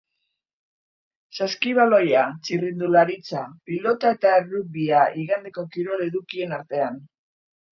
Saskibaloia, txirrindularitza, pilota eta errugbia igandeko kirol edukien artean.